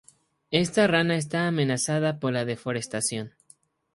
Esta rana está amenazada por la deforestación.